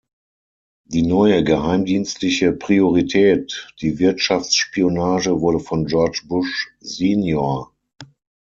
Die neue geheimdienstliche Priorität, die Wirtschaftsspionage, wurde von George Bush sen.